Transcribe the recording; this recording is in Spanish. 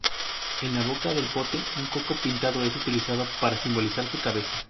En la boca del pote, un coco pintado es utilizado para simbolizar su cabeza.